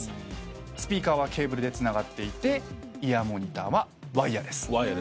スピーカーはケーブルでつながっていてイヤーモニターはワイヤレス。